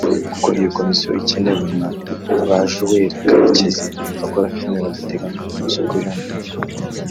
kuko iyo Komisiyo ikenewe na ba Joel Karekezi bakora filime badateganya amasoko yo mu gihugu